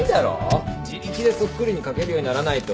自力でそっくりに書けるようにならないと。